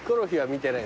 見てない。